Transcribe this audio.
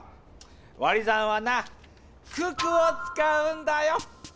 わり算はな九九をつかうんだよ！